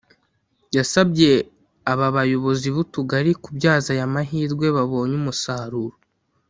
yasabye aba bayobozi b’utugari kubyaza ayamahirwe babonye umusaruro